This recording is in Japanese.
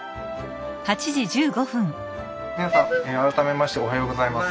皆さん改めましておはようございます。